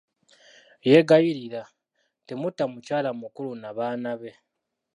Yeegayirira, temutta mukyala mukulu n'abaana be.